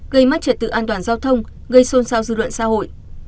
gây mất trật tự an toàn giao thông gây xôn xao dư luận xã hội